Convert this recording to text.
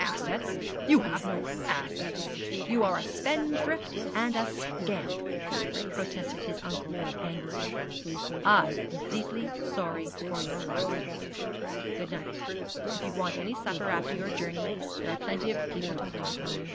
'Assets? You have no assets. You are a spendthrift and a scamp!' protested his uncle, angrily. 'I am deeply sorry for your wife. Good night. If you want any supper after your journey there are plenty of people to wait upon you.'